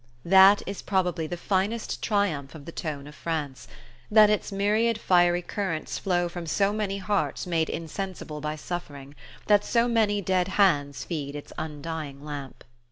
That is probably the finest triumph of the tone of France: that its myriad fiery currents flow from so many hearts made insensible by suffering, that so many dead hands feed its undying lamp.